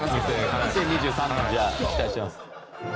２０２３年じゃあ期待してます。